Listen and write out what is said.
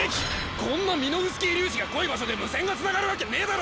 こんなミノフスキー粒子が濃い場所で無線がつながるわけねぇだろ！